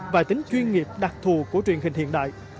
và tính chuyên nghiệp đặc thù của truyền hình hiện đại